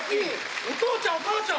お父ちゃんお母ちゃん。